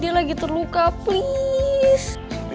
dia lagi terluka please